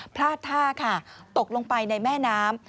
พลาดท่าค่ะตกลงไปในแม่น้ำ